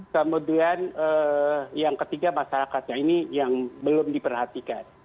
kemudian yang ketiga masyarakatnya ini yang belum diperhatikan